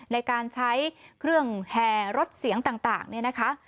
ในการใช้เครื่องแห่รถเสียงต่างเนี่ยนะคะ